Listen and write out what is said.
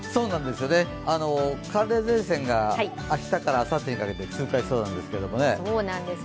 寒冷前線が明日からあさってにかけて通過しそうなんですよね。